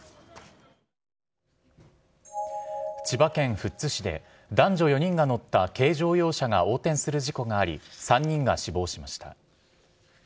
千葉県富津市で、男女４人が乗った軽乗用車が横転する事故があり、３人が死亡しました。